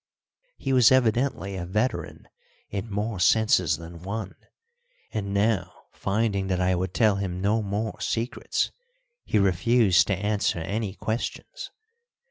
He was evidently a veteran in more senses than one, and now, finding that I would tell him no more secrets, he refused to answer any questions.